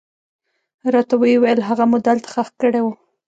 راته ويې ويل هغه مو دلته ښخ کړى و.